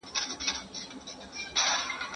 د برابرۍ غوښتونکي څنګه د اقتصادي وېش سياست مخې ته وړي؟